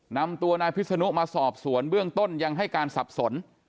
นำตัวนายพิษนุมาสอบสวนเบื้องต้นยังให้การสับสน